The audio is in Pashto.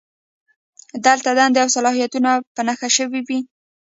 دلته دندې او صلاحیتونه په نښه شوي وي.